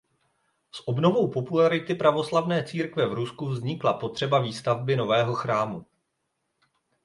S obnovou popularity pravoslavné církve v Rusku vznikla potřeba výstavby nového chrámu.